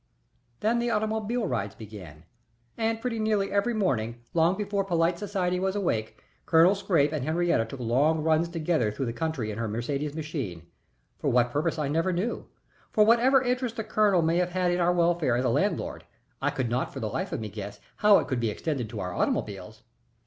Then the automobile rides began, and pretty nearly every morning, long before polite society was awake, Colonel Scrappe and Henriette took long runs together through the country in her Mercedes machine, for what purpose I snever knew, for whatever interest the colonel might have had in our welfare as a landlord I could not for the life of me guess how it could be extended to our automobiles.